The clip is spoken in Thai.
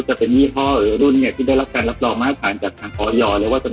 จะเป็นมีที่รุ่นที่ได้รับการรับรองมาผ่านจาก๗๕๐อย่างหรือว่าจะไหน